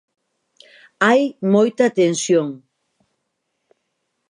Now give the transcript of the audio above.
Hai moita tensión.